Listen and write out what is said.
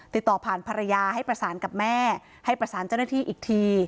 ติดต่อผ่านภรรยาให้ประสานกับแม่ให้ประสานเจ้าหน้าที่อีกที